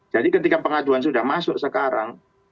jadi ketika pengaduan sudah masuk sekarang